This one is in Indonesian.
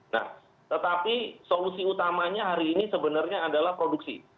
nah tetapi solusi utamanya hari ini sebenarnya adalah produksi